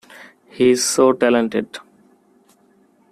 He is so talented.